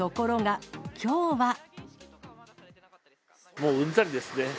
もううんざりですね。